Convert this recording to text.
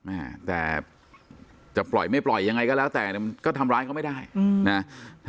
แม่แต่จะปล่อยไม่ปล่อยยังไงก็แล้วแต่เนี่ยมันก็ทำร้ายเขาไม่ได้นะ